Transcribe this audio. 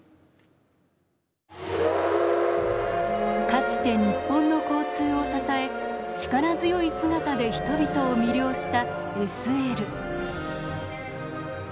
かつて日本の交通を支え力強い姿で人々を魅了したＳＬ。